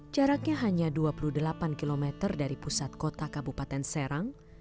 jaraknya hanya dua puluh delapan km dari pusat kota kabupaten serang